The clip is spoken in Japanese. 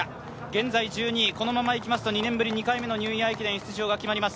現在１２位、このままいきますと２年ぶり２回目のニューイヤー駅伝出場が決まります